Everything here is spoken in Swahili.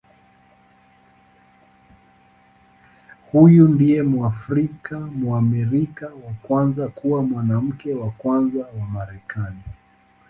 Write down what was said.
Huyu ndiye Mwafrika-Mwamerika wa kwanza kuwa Mwanamke wa Kwanza wa Marekani.